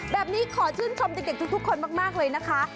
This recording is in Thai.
แบบนี้ขอชื่นชมเด็กทุกคนมากเลยนะคะ